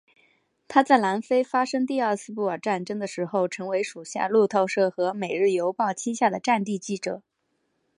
他在南非发生第二次布尔战争的时候成为属于路透社和每日邮报膝下的战地记者。